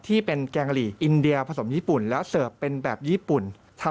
แกงหลีอินเดียผสมญี่ปุ่นแล้วเสิร์ฟเป็นแบบญี่ปุ่น